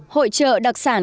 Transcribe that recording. hỗ trợ đặc sản